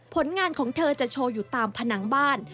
ผลงานของเธอจะโชว์อยู่ตามผนังบ้าน